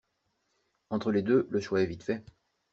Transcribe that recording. Entre les deux, le choix est vite fait.